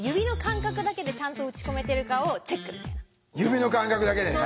指の感覚だけでね。